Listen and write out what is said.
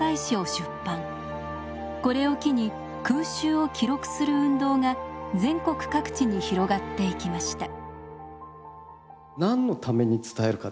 これを機に空襲を記録する運動が全国各地に広がっていきました。